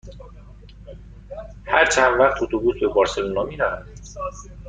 هر چند وقت اتوبوس به بارسلونا می رود؟